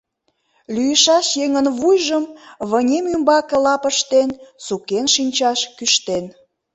Лӱйышаш еҥын вуйжым вынем ӱмбаке лап ыштен, сукен шинчаш кӱштен.